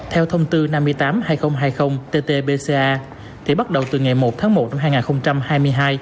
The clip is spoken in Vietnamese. theo thông tư năm mươi tám hai nghìn hai mươi ttbca thì bắt đầu từ ngày một tháng một năm hai nghìn hai mươi hai